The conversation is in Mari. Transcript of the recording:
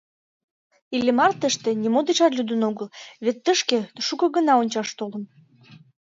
Иллимар тыште нимо дечат лӱдын огыл, вет тышке шуко гына ончаш толын.